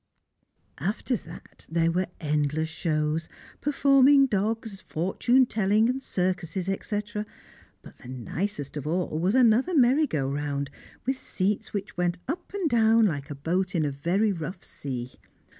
[Sidenote: The Fun of the Fair] After that there were endless shows performing dogs, fortune telling, circuses, etc. but the nicest of all was another merry go round, with seats which went up and down like a boat in a very rough sea.